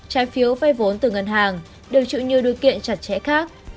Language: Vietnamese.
trái phiếu vây vốn từ ngân hàng đều chịu như đối kiện chặt chẽ khác